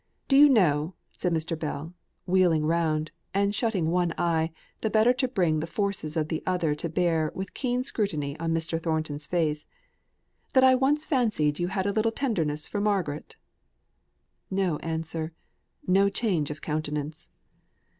Do you know," said Mr. Bell, wheeling round, and shutting one eye, the better to bring the forces of the other to bear with keen scrutiny on Mr. Thornton's face, "that I once fancied you had a little tenderness for Margaret?" No answer. No change of countenance.